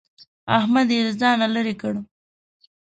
احمد يې له ځانه لرې کړ.